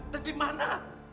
dan di mana